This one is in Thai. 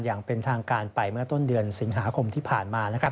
อย่างเป็นทางการไปเมื่อต้นเดือนสิงหาคมที่ผ่านมา